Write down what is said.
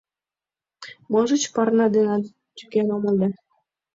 Можыч, парня денат тӱкен омыл да...